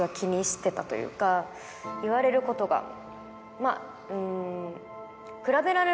まぁうん。